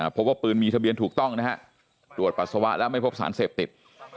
พบว่าปืนมีทะเบียนถูกต้องนะฮะตรวจปัสสาวะแล้วไม่พบสารเสพติด